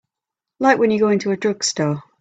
Like when you go into a drugstore.